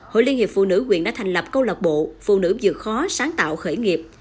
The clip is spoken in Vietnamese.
hội liên hiệp phụ nữ quyền đã thành lập câu lạc bộ phụ nữ vượt khó sáng tạo khởi nghiệp